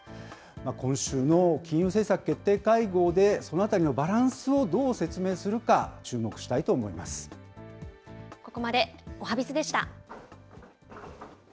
今週の金融政策決定会合で、そのあたりのバランスをどう説明するここまでおはＢｉｚでした。